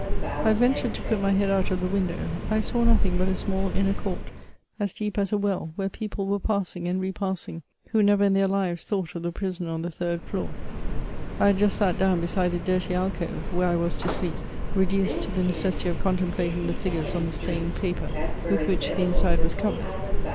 I ventured to put my head out of the window ; I saw nothing but a snuill inner court, as deep as a well^ where people were passing and repassing who never in their lives thought of the prisoner on the third floor. I had just sat down beside a dirty alcove, where I was to sleep, reduced to the necessity of contemplating the figures on the stained paper, with which the inside was covered.